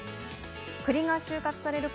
栗が収穫される